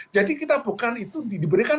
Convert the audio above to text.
jadi kita bukan itu diberikan